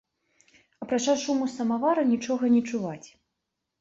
Апрача шуму самавара, нічога не чуваць.